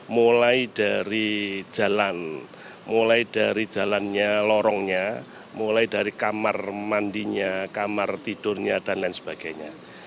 mulai dari jalan mulai dari jalannya lorongnya mulai dari kamar mandinya kamar tidurnya dan lain sebagainya